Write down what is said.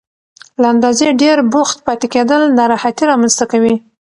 له اندازې ډېر بوخت پاتې کېدل ناراحتي رامنځته کوي.